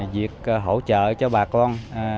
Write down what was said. việc hỗ trợ cho bà con